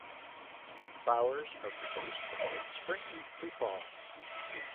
Flowers are produced from late spring to fall.